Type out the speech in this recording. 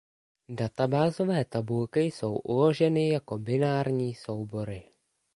Databázové tabulky jsou uloženy jako binární soubory.